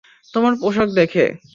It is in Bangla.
তোমার পোশাক দেখে।